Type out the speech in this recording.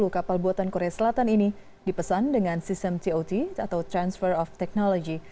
sepuluh kapal buatan korea selatan ini dipesan dengan sistem tot atau transfer of technology